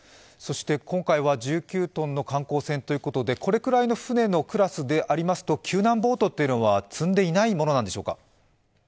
今回は１９トンの観光船ということでこれくらいの船のクラスでありますと救難ボートは積んでいないものなんでしょうか。